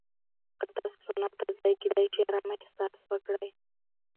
که تاسو سونا ته ځئ، کېدای شي ارامه احساس وکړئ.